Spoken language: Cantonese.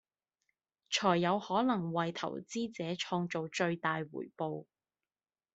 才有可能為投資者創造最大回報